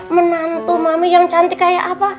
menantu mami yang cantik kayak apa